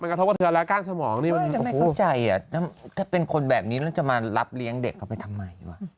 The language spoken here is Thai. กระทบกระเทือนและก้านสมองนี่มันเข้าใจถ้าเป็นคนแบบนี้แล้วจะมารับเลี้ยงเด็กเขาไปทำไมวะ